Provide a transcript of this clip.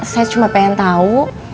saya cuma pengen tahu